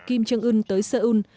kim jong un tới seoul